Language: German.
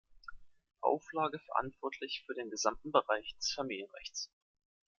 Auflage verantwortlich für den gesamten Bereich des Familienrechts.